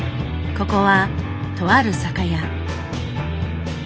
ここはとある酒屋。